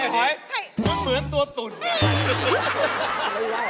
เหมือนตัวตุ่น